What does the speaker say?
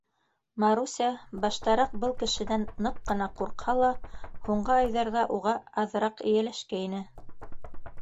Маруся баштараҡ был кешенән ныҡ ҡына ҡурҡһа ла, һуңғы айҙарҙа уға аҙыраҡ эйәләшкәйне.